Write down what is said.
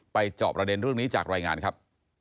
ไปจอบระเด็นร่วมนี้จากรายงานครับ